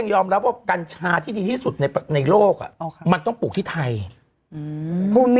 ในโลกมันต้องปลูกที่ไทย